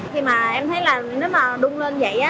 thì mà em thấy là nếu mà đun lên vậy á